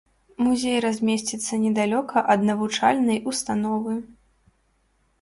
Музей размесціцца недалёка ад навучальнай установы.